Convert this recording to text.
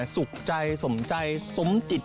สุขใจสมใจสมจิต